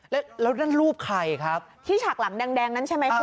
แล้วนั่นรูปใครครับที่ฉากหลังแดงนั้นใช่ไหมครับ